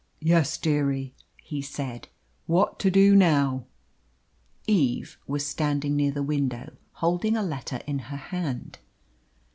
"Yes, dearie?" he said. "What to do now?" Eve was standing near the window, holding a letter in her hand.